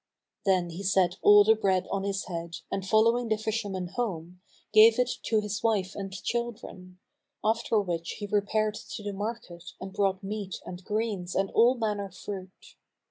Then he set all the bread on his head and following the fisherman home, gave it to his wife and children, after which he repaired to the market and brought meat and greens and all manner fruit.